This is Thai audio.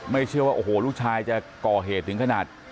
เชื่อว่าโอ้โหลูกชายจะก่อเหตุถึงขนาด